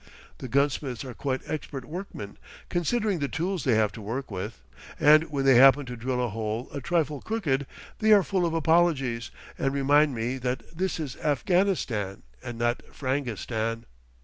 The gunsmiths are quite expert workmen, considering the tools they have to work with, and when they happen to drill a hole a trifle crooked, they are full of apologies, and remind me that this is Afghanistan and not Frangistan.